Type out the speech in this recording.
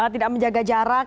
tidak menjaga jarak